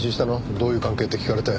「どういう関係？」って聞かれて。